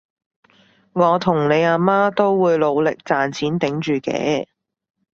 我同你阿媽都會努力賺錢頂住嘅